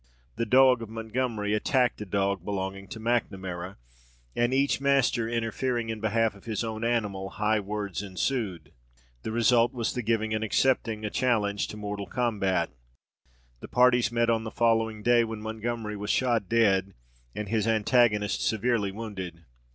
The dog of Montgomery attacked a dog belonging to Macnamara, and each master interfering in behalf of his own animal, high words ensued. The result was the giving and accepting a challenge to mortal combat. The parties met on the following day, when Montgomery was shot dead, and his antagonist severely wounded.